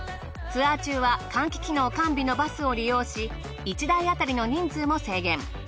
ツアー中は換気機能完備のバスを利用し１台あたりの人数も制限。